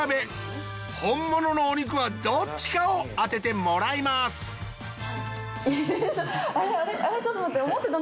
本物のお肉はどっちかを当ててもらいますえっ！